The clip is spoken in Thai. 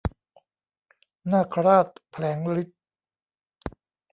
นาคราชแผลงฤทธิ์